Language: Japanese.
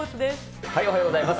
おはようございます。